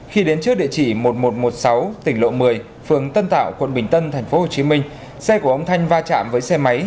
khi đến trước địa chỉ một nghìn một trăm một mươi sáu tỉnh lộ một mươi phường tân tạo quận bình tân tp hcm xe của ông thanh va chạm với xe máy